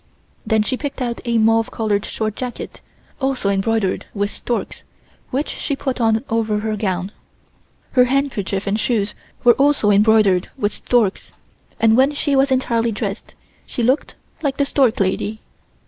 Then she picked out a mauve colored short jacket, also embroidered with storks, which she put on over her gown. Her handkerchief and shoes were also embroidered with storks and when she was entirely dressed she looked like the stork lady.